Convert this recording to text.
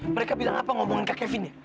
mereka bilang apa ngomongin kak kevin ya